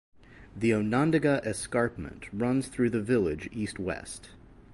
The Onondaga Escarpment runs through the village east-west.